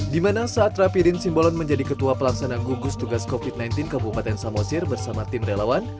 di mana saat rapi din simbolon menjadi ketua pelaksana gugus tugas covid sembilan belas kabupaten samosir bersama tim relawan